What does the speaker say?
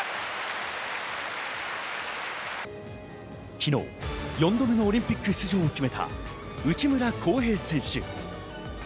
昨日、４度目のオリンピック出場を決めた内村航平選手。